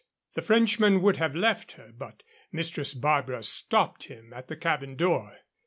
The Frenchman would have left her, but Mistress Barbara stopped him at the cabin door.